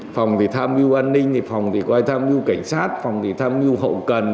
phòng thì tham mưu an ninh phòng thì tham mưu cảnh sát phòng thì tham mưu hậu cần